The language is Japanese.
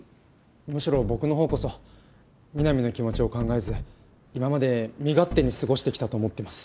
むしろ僕の方こそみなみの気持ちを考えず今まで身勝手に過ごしてきたと思ってます。